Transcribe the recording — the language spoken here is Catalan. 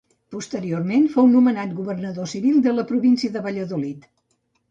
Posteriorment fou nomenat governador civil de la província de Valladolid.